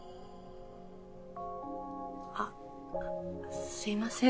あっすいません